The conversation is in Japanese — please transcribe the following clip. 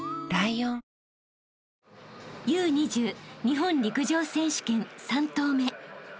日本陸上選手権３投目］